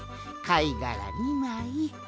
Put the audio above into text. かいがら２まい。